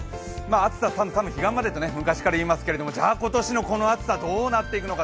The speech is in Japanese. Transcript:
暑さ寒さも彼岸までとよくいいますがじゃあ今年のこの暑さどうなっていくのか。